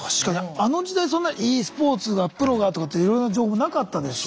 あの時代そんなｅスポーツがプロがとかっていろいろな情報なかったですし。